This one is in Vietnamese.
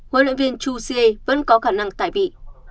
huấn luyện viên chú siê vẫn có khả năng tải vị